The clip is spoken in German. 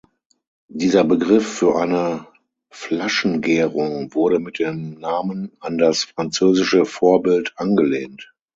Dieser Begriff für eine Flaschengärung wurde mit dem Namen an das französische Vorbild angelehnt.